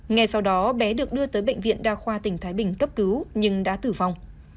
ngay sau đó bé được đưa tới bệnh viện đa khoa tỉnh thái bình cấp cứu nhưng đã tử vong